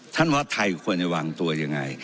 ว่าไทยควรจะวางตัวยังไง